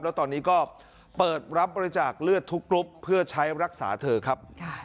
แล้วตอนนี้ก็เปิดรับบริจาคเลือดทุกกรุ๊ปเพื่อใช้รักษาเธอครับ